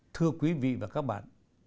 thưa quý vị và các bạn